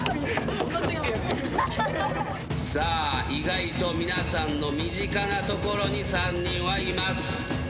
さあ意外と皆さんの身近なところに３人はいます。